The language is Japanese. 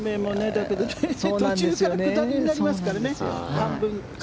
だけど、途中から下りになりますから、半分から。